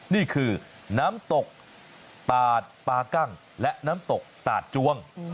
นี่คือน้ำตกตาดปากั้งและน้ำตกตาดจวง